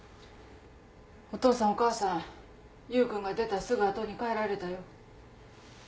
お父さんお母さん優君が出たすぐ後に帰られたよ。